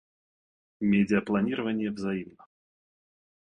Медиапланирование взаимно.